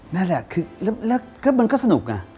นั่นแหละแล้วมันก็สนุกนะ